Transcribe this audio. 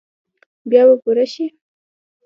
بیا به پوره شي ؟